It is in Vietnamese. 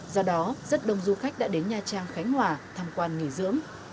do đó rất đông du khách đã đến nha trang khánh hòa tham quan nghỉ dưỡng